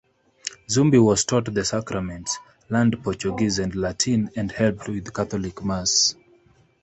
Zumbi was taught the sacraments, learned Portuguese and Latin, and helped with Catholic mass.